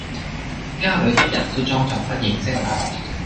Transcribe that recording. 家裏的人都裝作不認識我；